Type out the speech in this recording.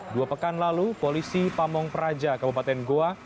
dua pekan lalu polisi pamong praja kabupaten goa